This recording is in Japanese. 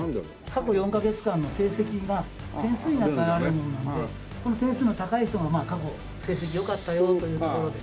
過去４カ月間の成績が点数になって表れるものなのでこの点数の高い人が過去成績良かったよというところで。